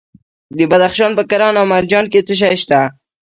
د بدخشان په کران او منجان کې څه شی شته؟